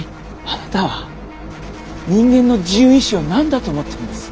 あなたは人間の自由意志を何だと思ってるんです？